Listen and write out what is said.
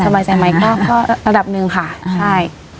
สบายใจไหมก็ระดับหนึ่งค่ะใช่